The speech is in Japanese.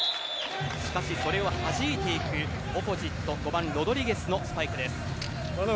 しかしそれをはじいていくオポジット５番ロドリゲスのスパイクです。